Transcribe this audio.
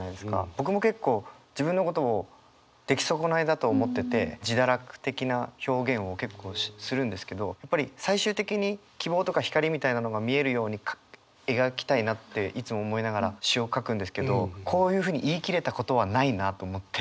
僕も結構自分のことをできそこないだと思ってて自堕落的な表現を結構するんですけどやっぱり最終的に希望とか光みたいなのが見えるように描きたいなっていつも思いながら詩を書くんですけどこういうふうに言い切れたことはないなと思って。